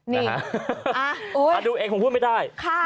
นี่อ่าดูเอกผมพูดไม่ได้